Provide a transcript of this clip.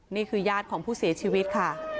นี่คือญาติของผู้เสียชีวิตค่ะ